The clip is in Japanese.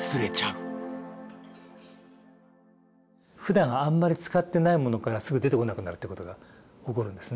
ふだんあんまり使ってないものからすぐ出てこなくなるってことが起こるんですね。